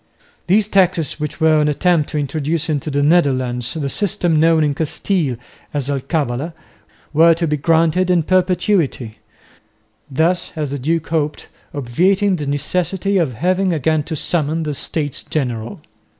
These taxes, which were an attempt to introduce into the Netherlands the system known in Castile as alcabala, were to be granted in perpetuity, thus, as the duke hoped, obviating the necessity of having again to summon the States General.